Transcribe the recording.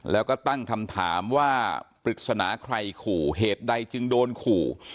แล้วก็ตั้งคำถามว่าปริศนาใครขู่เหตุใดจึงโดนขู่